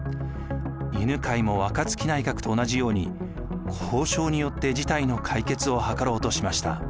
犬養も若槻内閣と同じように交渉によって事態の解決をはかろうとしました。